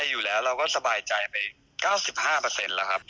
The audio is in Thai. เยอะไหมคะ